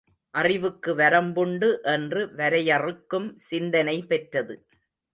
அறிவுக்கு வரம்புண்டு என்று வரையறுக்கும் சிந்தனை பெற்றது.